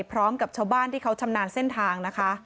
พร้อมกับชาวบ้านที่เขาชำนาญเส้นทางนะคะ